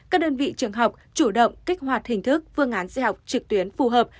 các đơn vị trường học chủ động kích hoạt hình thức phương án dạy học trực tuyến phù hợp